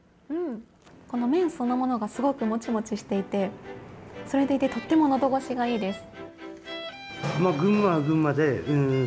麺そのものがすごくモチモチしていてそれでいてとっても、のどごしがいいです。